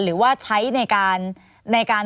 หรือว่าใช้ในการ